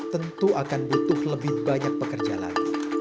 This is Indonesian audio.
tentu akan butuh lebih banyak pekerja lagi